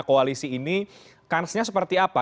koalisi ini kansnya seperti apa